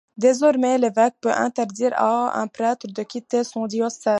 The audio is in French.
Désormais, l'évêque peut interdire à un prêtre de quitter son diocèse.